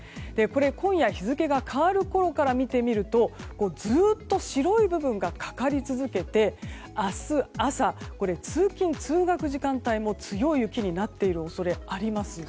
今夜日付が変わるころから見てみるとずっと白い部分がかかり続けて明日朝、これ通勤・通学時間帯も強い雪になっている恐れがあります。